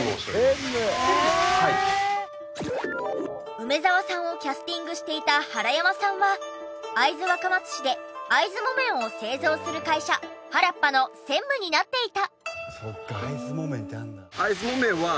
梅沢さんをキャスティングしていた原山さんは会津若松市で会津木綿を製造する会社はらっぱの専務になっていた。